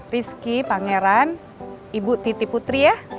rizky pangeran ibu titi putri ya